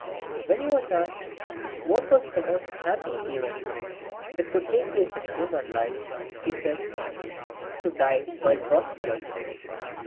When he was asked what was the most happy event that could take place in human life, he said, " To die while prosperous."